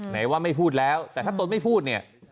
ไหนว่าไม่พูดแล้วแต่ถ้าตนไม่พูดเนี่ย